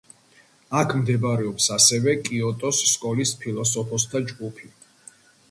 აქ მდებარეობს ასევე კიოტოს სკოლის ფილოსოფოსთა ჯგუფი.